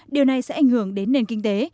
điều này sẽ ảnh hưởng đến nền kinh tế